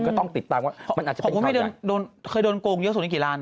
ของคุณแม่เคยโดนโกงเยอะสุดที่กี่ล้านนะ